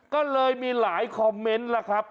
ก็เลยมีหลายคอมเม้นซ์